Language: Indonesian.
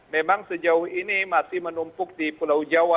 memang sejauh ini masih menumpuk di pulau jawa